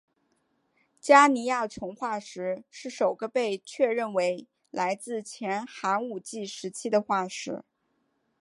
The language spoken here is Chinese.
加尼亚虫化石是首个被确认为来自前寒武纪时期的化石。